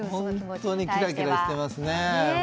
本当にキラキラしてますね。